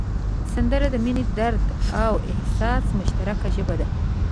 سندره د مینې، درد او احساس مشترکه ژبه ده